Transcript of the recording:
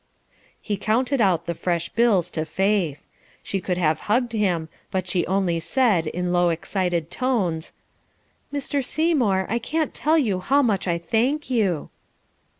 He counted out the fresh bills to Faith; she could have hugged him, but she only said, in low excited tones: "Mr. Seymour, I cannot tell you how much I thank you."